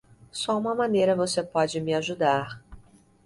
Só uma maneira você pode me ajudar.